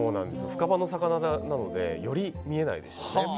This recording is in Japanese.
深場の魚なのでより見えないですね。